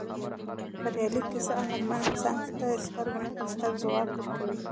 بریالۍ کیسه عقلمن انسان ته ستر ځواک ورکوي.